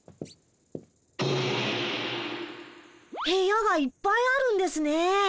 部屋がいっぱいあるんですね。